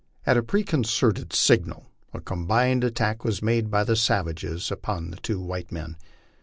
At a preconcerted signal a combined attack was made by the savages upon the two white men.